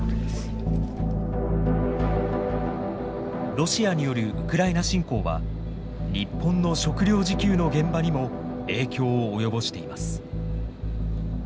ロシアによるウクライナ侵攻は日本の食料自給の現場にも影響を及ぼしています。